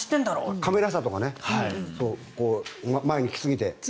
カメラ車とかね前に来すぎて。